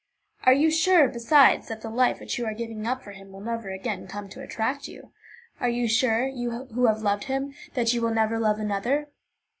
"Are you sure, besides, that the life which you are giving up for him will never again come to attract you? Are you sure, you who have loved him, that you will never love another?